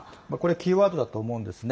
キーワードだと思うんです。